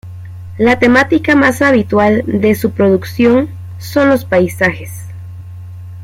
La temática más habitual de su producción son los paisajes.